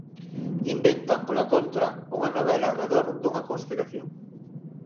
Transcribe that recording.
Inventan, pola contra, unha novela arredor dunha conspiración.